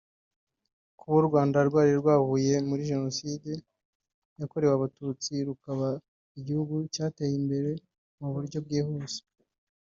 Kuba u Rwanda rwari ruvuye muri Jenoside yakorewe Abatutsi rukaba igihugu cyateye imbere mu buryo bwihuse